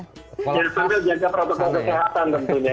ya sambil jaga protokol kesehatan tentunya